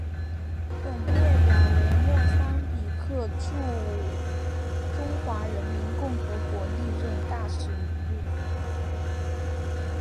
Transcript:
本列表为莫桑比克驻中华人民共和国历任大使名录。